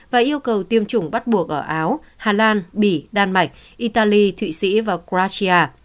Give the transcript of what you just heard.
và yêu cầu tiêm chủng bắt buộc ở áo hà lan bỉ đan mạch italy thụy sĩ và kratia